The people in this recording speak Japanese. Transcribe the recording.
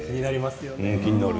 気になる。